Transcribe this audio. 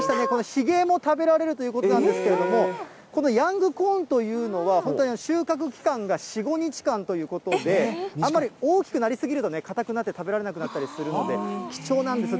ひげも食べられるということなんですけれども、このヤングコーンというのは、本当に収穫期間が４、５日間ということで、あんまり大きくなりすぎると硬くなって、食べられなくなったりするので、貴重なんです。